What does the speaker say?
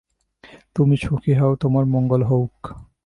তুমি সুখী হও, তোমার মঙ্গল হউক।